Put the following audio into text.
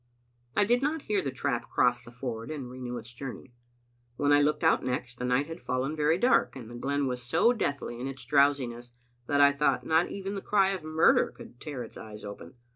I did not hear the trap cross the ford and renew its journey. When I looked out next, the night had fallen very dark, and the glen was so deathly in its drowsiness that I thought not even the cry of murder could tear its eyes open.